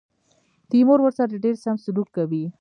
تیمور ورسره ډېر سم سلوک کوي.